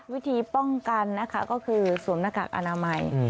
วิธีป้องกันนะคะก็คือสวมหน้ากากอนามัย